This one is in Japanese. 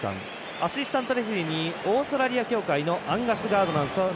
アシスタントレフリーにオーストラリア協会のアンガス・ガードナーさん